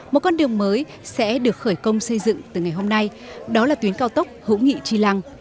một con đường mới sẽ được khởi công xây dựng từ ngày hôm nay đó là tuyến cao tốc hữu nghị tri lăng